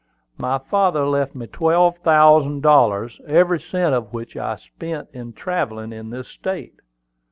My father left me twelve thousand dollars, every cent of which I spent in travelling in this state.